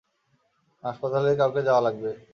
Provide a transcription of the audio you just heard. হাসপাতালে কাউকে যাওয়া লাগবে।